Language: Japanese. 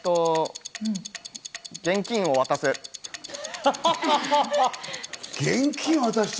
現金を渡す。